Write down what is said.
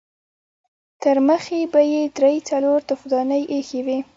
ترمخې به يې درې څلور تفدانۍ اېښې وې.